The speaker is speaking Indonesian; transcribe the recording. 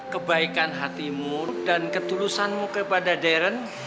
kebaikan hatimu dan ketulusanmu kepada deren